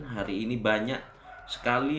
hari ini banyak sekali